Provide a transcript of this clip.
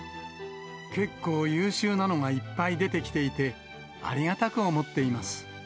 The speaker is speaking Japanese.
結構優秀なのがいっぱい出てきていて、ありがたく思っています。